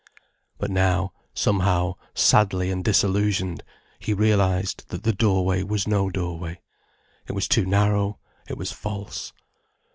But now, somehow, sadly and disillusioned, he realized that the doorway was no doorway. It was too narrow, it was false.